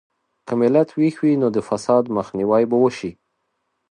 که ملت ویښ وي، نو د فساد مخنیوی به وشي.